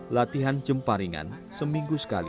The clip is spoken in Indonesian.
latihan jemparingan seminggu sekali